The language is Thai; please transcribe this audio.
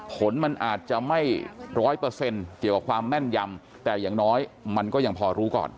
ผลมันอาจจะไม่ร้อยเปอร์เซ็นต์เกี่ยวกับความแม่นยำแต่อย่างน้อยมันก็ยังพอรู้ก่อน